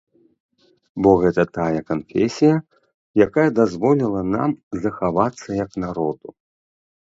Бо гэта тая канфесія, якая дазволіла нам захавацца, як народу.